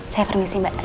saya permisi mbak